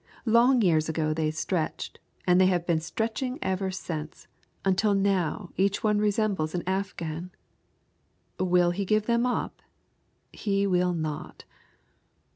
Long years ago they stretched, and they have been stretching ever since, until now each one resembles an afghan. Will he give them up? He will not.